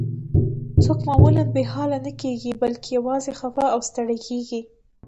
څوک معمولاً بې حاله نه کیږي، بلکې یوازې خفه او ستړي کیږي.